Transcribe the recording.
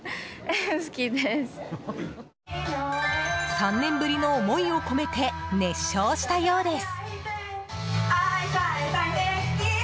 ３年ぶりの思いを込めて熱唱したようです。